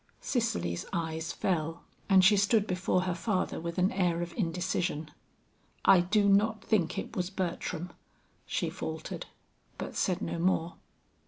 Cicely's eyes fell and she stood before her father with an air of indecision. "I do not think it was Bertram," she faltered, but said no more.